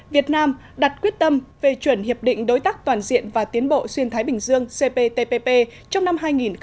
việt nam đặt quyết tâm phê chuẩn hiệp định đối tác toàn diện và tiến bộ xuyên thái bình dương cptpp trong năm hai nghìn một mươi tám